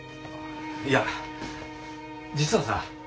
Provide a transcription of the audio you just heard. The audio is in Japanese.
いや実はさ